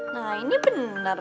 nah ini bener